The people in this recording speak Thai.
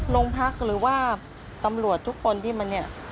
โรงพักหรือว่าตำรวจทุกคนที่มาเนี่ย